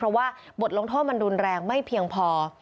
เพราะว่าบทลงโทษมันรุนแรงไม่เพียงพอ